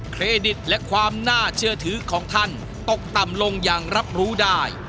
เครดิตและความน่าเชื่อถือของท่านตกต่ำลงอย่างรับรู้ได้